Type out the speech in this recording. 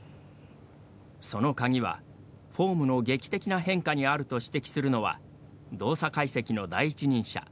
その鍵はフォームの劇的な変化にあると指摘するのは動作解析の第一人者川村卓さんです。